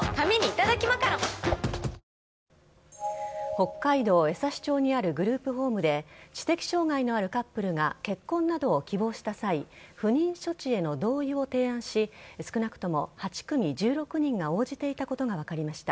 北海道江差町にあるグループホームで、知的障害のあるカップルが結婚などを希望した際、不妊処置への同意を提案し、少なくとも８組１６人が応じていたことが分かりました。